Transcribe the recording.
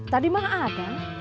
tadi mah ada